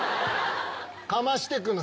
かましてくんな。